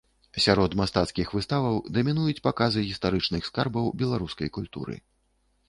Сярод мастацкіх выставаў дамінуюць паказы гістарычных скарбаў беларускай культуры.